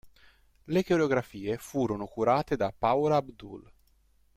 Le coreografie furono curate da Paula Abdul.